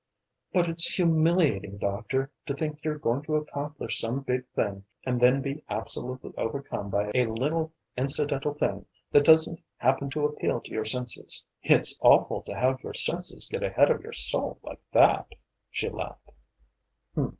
"But it's humiliating, doctor, to think you're going to accomplish some big thing and then be absolutely overcome by a little incidental thing that doesn't happen to appeal to your senses. It's awful to have your senses get ahead of your soul like that," she laughed.